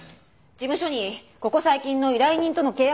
事務所にここ最近の依頼人との契約関係の書類。